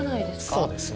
そうですね。